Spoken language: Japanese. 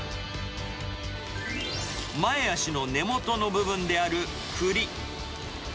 前足の根元の部分であるクリ。